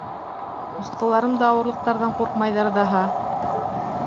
Ҡустыларым да ауырлыҡтарҙан ҡурҡмайҙар ҙаһа!